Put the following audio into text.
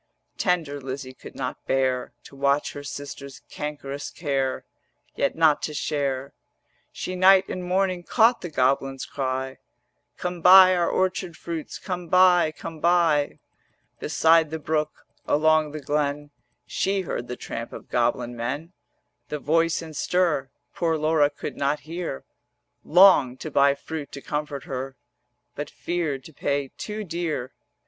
Tender Lizzie could not bear To watch her sister's cankerous care 300 Yet not to share. She night and morning Caught the goblins' cry: 'Come buy our orchard fruits, Come buy, come buy:' Beside the brook, along the glen, She heard the tramp of goblin men, The voice and stir Poor Laura could not hear; Longed to buy fruit to comfort her, 310 But feared to pay too dear.